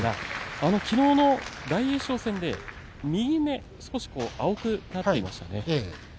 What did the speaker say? きのうの大栄翔戦で右目少し、青くなっていました。